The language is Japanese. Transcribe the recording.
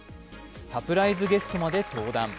サプライズゲストまで登壇。